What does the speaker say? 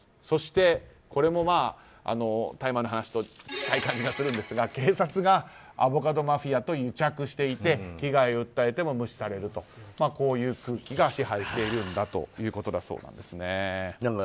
そして、これも大麻の話と近い感じがするんですが警察がアボカドマフィアと癒着していて被害を訴えても無視されるとこういう空気が支配しているんだということだそうです。